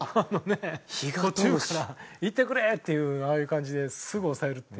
途中からいってくれっていうああいう感じですぐ抑えるっていう。